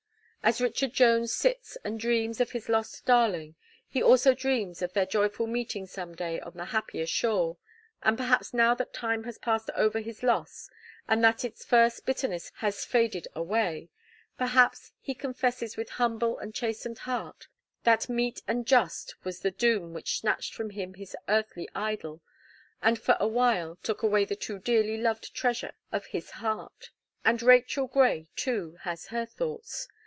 As Richard Jones sits and dreams of his lost darling, he also dreams of their joyful meeting some day on the happier shore, and perhaps now that time has passed over his loss and that its first bitterness has faded away, perhaps he confesses with humble and chastened heart, that meet and just was the doom which snatched from him his earthly idol, and, for a while, took away the too dearly loved treasure of his heart. And Rachel Gray, too, has her thoughts.